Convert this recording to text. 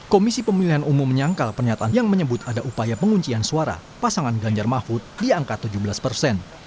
komisi pemilihan umum menyangkal pernyataan yang menyebut ada upaya penguncian suara pasangan ganjar mahfud di angka tujuh belas persen